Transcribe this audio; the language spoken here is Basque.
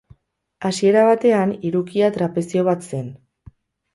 Hasiera batean, hirukia, trapezio bat zen.